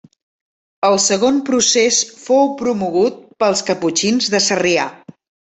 El segon procés fou promogut pels caputxins de Sarrià.